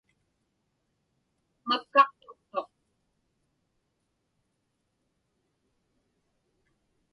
Makkaqtuqtuq.